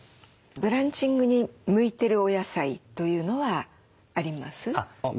ブランチングに向いてるお野菜というのはあります？